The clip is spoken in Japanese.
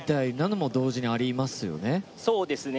そうですね。